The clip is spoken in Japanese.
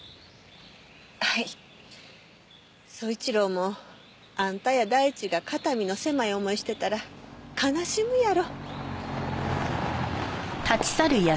宗一郎もあんたや大地が肩身の狭い思いしてたら悲しむやろ。